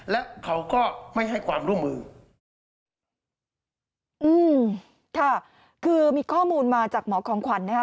และเขาก็ไม่ให้ความร่วมมืออืมค่ะคือมีข้อมูลมาจากหมอของขวัญนะคะ